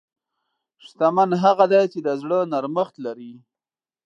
شتمن هغه دی چې د زړه نرمښت لري.